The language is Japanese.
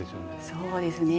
そうですね。